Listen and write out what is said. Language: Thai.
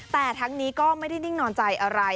แต่ทั้งนี้ก็ไม่ได้นิ่งนอนใจอะไร